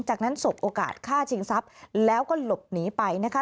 จากนั้นสบโอกาสฆ่าชิงทรัพย์แล้วก็หลบหนีไปนะคะ